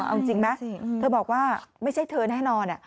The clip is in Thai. เอาจริงไหมเธอบอกว่าไม่ใช่เธอแน่นอน